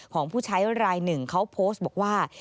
ของผู้ใช้รายหนึ่งเขาโพสต์บอกว่า